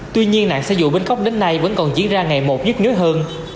tuy nhiên nạn xe dù bến cốc đến nay vẫn còn diễn ra ngày một nhất nhớ hơn